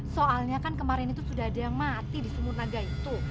soalnya kan kemarin itu sudah ada yang mati di sumur naga itu